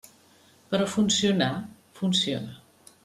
Però funcionar, funciona.